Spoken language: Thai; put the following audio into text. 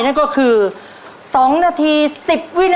นั่นก็คือ๒นาทีเสียบลูกชิ้น๓ชนิด